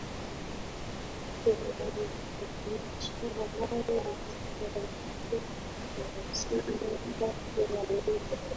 yanayosababisha ambayo huzipa nguvu mahusiano kati ya neva